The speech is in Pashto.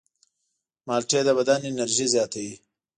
مالټې د بدن انرژي زیاتوي.